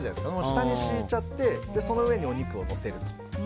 下に敷いちゃってその上にお肉をのせます。